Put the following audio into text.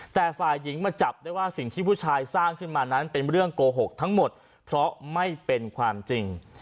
แต่ฝ่ายหญิงมาจับได้ว่าสิ่งที่ผู้ชายสร้างขึ้นมานั้นเป็นเรื่องโกหกทั้งหมดเพราะไม่เป็นความจริง